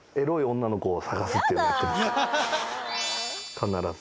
必ず。